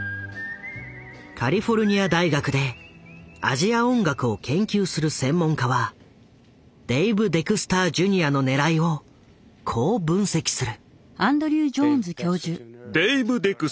カリフォルニア大学でアジア音楽を研究する専門家はデイブ・デクスター・ジュニアのねらいをこう分析する。